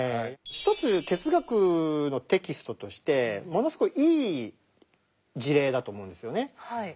一つ哲学のテキストとしてものすごいいい事例だと思うんですよね。